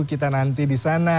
kita nanti di sana